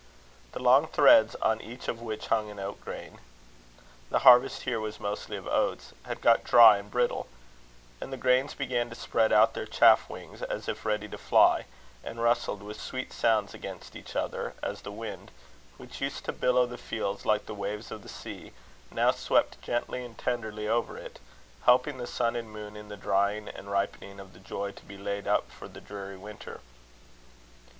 The long threads, on each of which hung an oat grain the harvest here was mostly of oats had got dry and brittle; and the grains began to spread out their chaff wings, as if ready to fly, and rustled with sweet sounds against each other, as the wind, which used to billow the fields like the waves of the sea, now swept gently and tenderly over it, helping the sun and moon in the drying and ripening of the joy to be laid up for the dreary winter.